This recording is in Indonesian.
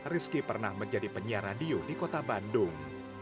rizky pernah menjadi penyiar radio di kota bandung